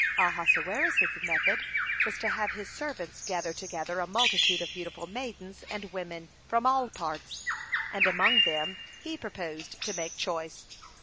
Ahasuerus's method was to have his servants gather together a multitude of beautiful maidens and women from all parts, and among them he proposed to make choice.